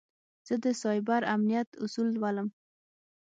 زه د سایبر امنیت اصول لولم.